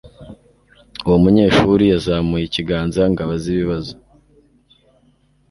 Uwo munyeshuri yazamuye ikiganza ngo abaze ikibazo